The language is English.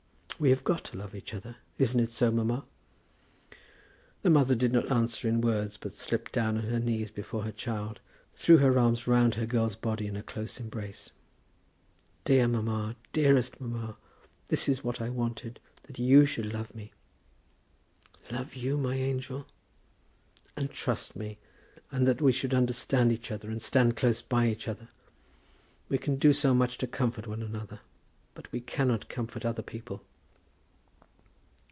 We have got to love each other. Isn't it so, mamma?" The mother did not answer in words, but slipping down on her knees before her child threw her arms round her girl's body in a close embrace. "Dear mamma; dearest mamma; this is what I wanted; that you should love me!" "Love you, my angel!" "And trust me; and that we should understand each other, and stand close by each other. We can do so much to comfort one another; but we cannot comfort other people."